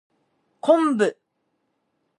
昆布